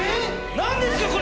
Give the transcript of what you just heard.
何ですか？